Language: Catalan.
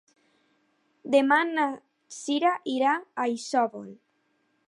Demà na Sira irà a Isòvol.